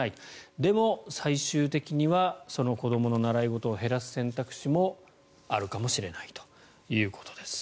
でも、最終的にはその子どもの習い事を減らす選択肢もあるかもしれないということです。